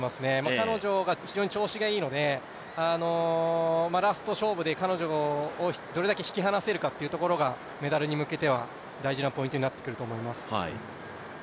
彼女が非常に調子がいいので、ラスト勝負で彼女をどれだけ引き離せるかというところがメダルに向けては大事なところになってくると思います。